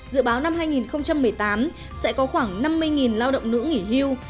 dự báo năm hai nghìn một mươi tám sẽ có khoảng năm mươi lao động nữ nghỉ hưu